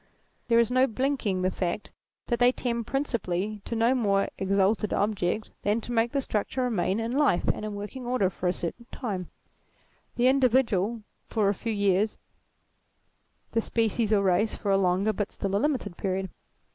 There is no blinking the fact that they tend principally to no more exalted object than to make the structure remain in life and in working order for a certain time : the individual for a few years, the species or race for a longer but still a limited period.